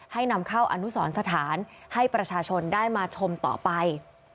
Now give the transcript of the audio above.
นำเข้าอนุสรสถานให้ประชาชนได้มาชมต่อไป